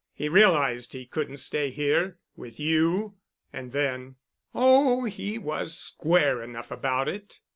He realized he couldn't stay here—with you." And then, "Oh, he was square enough about it."